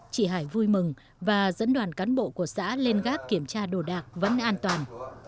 chị hải vui mừng và dẫn đoàn cán bộ của xã lên gác kiểm tra đồ đạc vẫn an toàn